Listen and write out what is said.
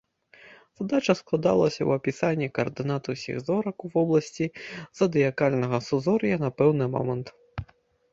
Задача складалася ў апісанні каардынат ўсіх зорак у вобласці задыякальнага сузор'я на пэўны момант.